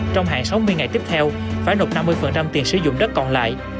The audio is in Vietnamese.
trong hạn sáu mươi ngày tiếp theo phải nộp năm mươi tiền sử dụng đất còn lại